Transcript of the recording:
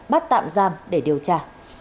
bắt tạm giam để điều tra